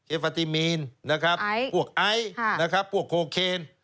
เอฟาตีมีนนะครับปวกไอซ์ปวกโคเคนปว่นฮะ